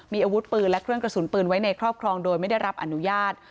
มีอาวุธปืนและเครื่องกระสุนปืนไว้ในครอบครองโดยไม่ได้รับอนุญาต